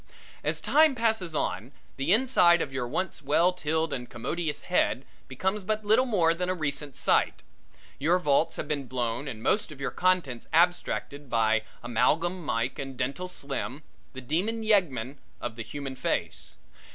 As time passes on, the inside of your once well tilled and commodious head becomes but little more than a recent site. Your vaults have been blown and most of your contents abstracted by Amalgam Mike and Dental Slim, the Demon Yeggmen of the Human Face.